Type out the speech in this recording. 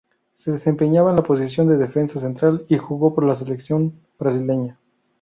Se desempeñaba en la posición de defensa central, y jugó por la Selección brasileña.